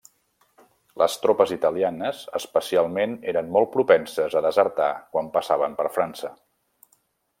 Les tropes italianes especialment eren molt propenses a desertar quan passaven per França.